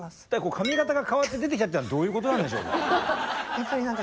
髪形が変わって出てきたってのはどういうことなんでしょうか？